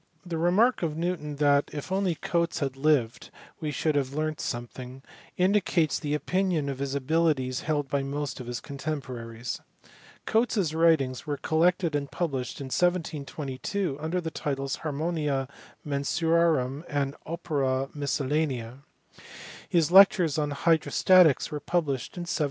Tin remark of Newton that if only Cotes had lived " we should have learnt some thing" indicates the opinion of his abilities held by most of his contemporaries. Colon s writings were collected and published in 1722 under the titles Ha/nn&nMi Af&nsurci/rufn and Opera MisceL latifia. His lectures on hydrostatics were published in 1738.